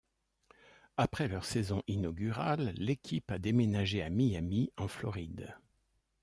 Après leur saison inaugurale, l’équipe a déménagé à Miami, en Floride.